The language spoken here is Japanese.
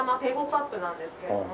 カップなんですけれども。